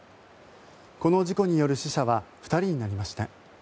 この事故による死者は２人になりました。